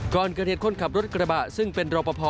ก่อนเกิดเหตุคนขับรถกระบะซึ่งเป็นรอปภ